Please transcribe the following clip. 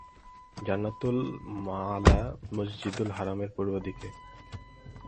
জান্নাতুল মাআলা মসজিদুল হারামের পূর্ব দিকে।